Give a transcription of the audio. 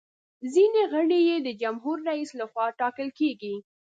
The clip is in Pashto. ځینې غړي یې د جمهور رئیس لخوا ټاکل کیږي.